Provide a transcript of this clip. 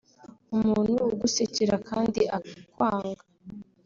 umuntu ugusekera kandi akwanga